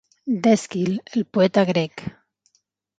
D'Èsquil, el poeta grec.